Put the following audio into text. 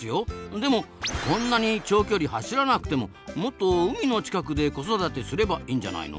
でもこんなに長距離走らなくてももっと海の近くで子育てすればいいんじゃないの？